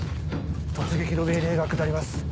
突撃の命令が下ります。